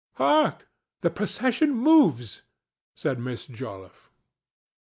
"Hark! The procession moves," said Miss Joliffe.